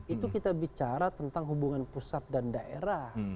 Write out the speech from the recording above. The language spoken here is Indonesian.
itu kita bicara tentang hubungan pusat dan daerah